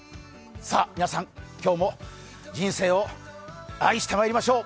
皆さん、今日も人生を愛してまいりましょう。